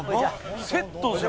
セットじゃん！